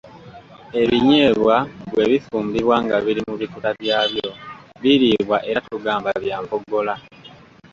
Ebinyeebwa bwe bifumbibwa nga biri mu bikuta byabyo biriibwa era tugamba bya mpogola.